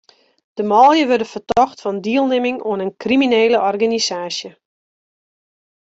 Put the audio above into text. De manlju wurde fertocht fan dielnimming oan in kriminele organisaasje.